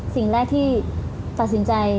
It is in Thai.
สิ่งแรกที่ตัดสินใจ